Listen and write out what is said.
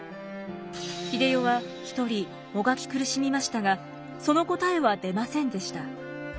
英世は１人もがき苦しみましたがその答えは出ませんでした。